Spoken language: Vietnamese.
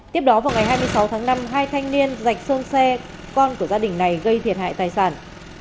tiếp đó vào ngày hai mươi sáu tháng năm hai thanh niên dạch sơn xe con của gia đình này gây thiệt hại tài sản